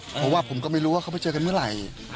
เพราะว่าผมก็ไม่รู้ว่าเขาไปเจอกันเมื่อไหร่